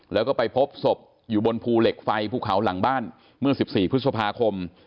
แล้วก็ไปพบศพอยู่บนภูเหล็กไฟภูเขาหลังบ้านเมื่อ๑๔พฤษภาคม